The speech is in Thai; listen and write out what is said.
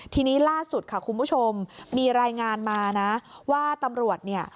ทีนี้ล่าสุดค่ะคุณผู้ชมมีรายงานมานะว่าตำรวจเนี่ย